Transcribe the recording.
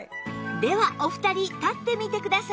ではお二人立ってみてください